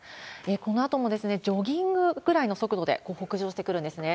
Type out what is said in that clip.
このあともジョギングぐらいの速度で北上してくるんですね。